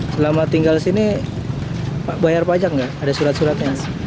selama tinggal sini pak bayar pajak nggak ada surat suratnya